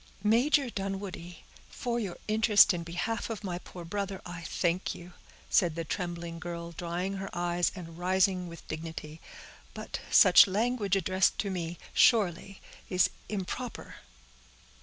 "Major Dunwoodie, for your interest in behalf of my poor brother, I thank you," said the trembling girl, drying her eyes, and rising with dignity; "but such language addressed to me, surely, is improper."